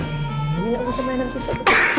ini nggak usah mainan pisau